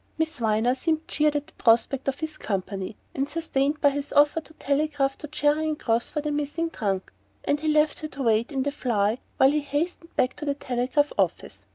Miss Viner seemed cheered at the prospect of his company, and sustained by his offer to telegraph to Charing Cross for the missing trunk; and he left her to wait in the fly while he hastened back to the telegraph office.